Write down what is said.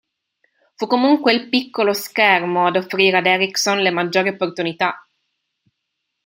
Fu comunque il piccolo schermo ad offrire ad Erickson le maggiori opportunità.